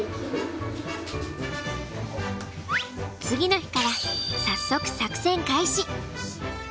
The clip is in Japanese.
次の日から早速作戦開始。